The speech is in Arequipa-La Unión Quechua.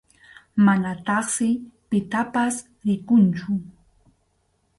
Manataqsi pitapas rikunchu.